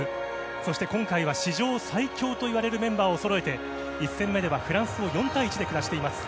そして、今回は史上最強といわれるメンバーをそろえて１戦目では、フランスを４対１で下しています。